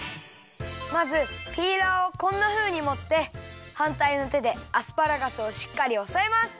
まずピーラーをこんなふうにもってはんたいのてでアスパラガスをしっかりおさえます。